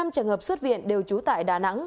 năm trường hợp xuất viện đều trú tại đà nẵng